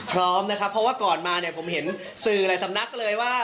พร้อมนะครับเพราะว่าก่อนมาเนี่ยผมเห็นสื่อหลายสำนักเลยว่า